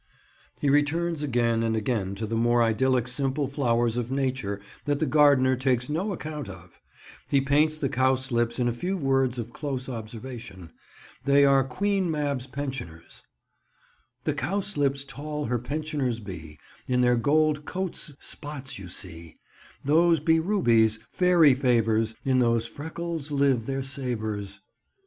He returns again and again to the more idyllic simple flowers of nature that the gardener takes no account of. He paints the cowslips in a few words of close observation. They are Queen Mab's pensioners— "The cowslips tall her pensioners be; In their gold coats spots you see; Those be rubies, fairy favours, In those freckles live their savours."